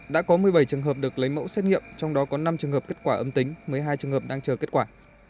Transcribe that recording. đã có một mươi bảy trường hợp được lấy mẫu xét nghiệm trong đó có năm trường hợp kết quả âm tính một mươi hai trường hợp đang chờ kết quả